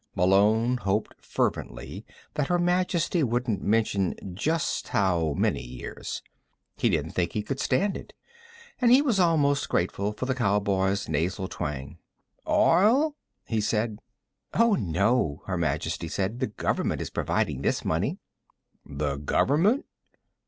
Malone hoped fervently that Her Majesty wouldn't mention just how many years. He didn't think he could stand it, and he was almost grateful for the cowboy's nasal twang. "Oil?" he said. "Oh, no," Her Majesty said. "The Government is providing this money." "The Government?"